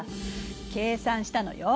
計算したのよ。